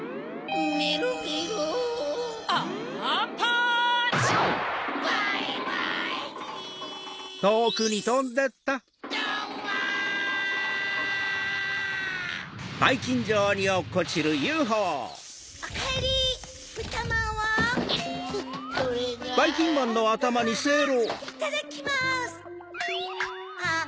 うわいただきます！